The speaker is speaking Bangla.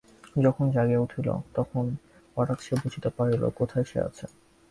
যখন জাগিয়া উঠিল তখন হঠাৎ বুঝিতে পারিল না, কোথায় সে আছে।